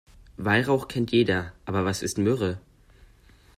Weihrauch kennt jeder, aber was ist Myrrhe?